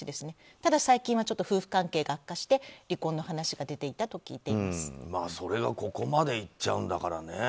ただ最近は夫婦関係が悪化して離婚の話が出ていたとそれがここまでいっちゃうんだからね。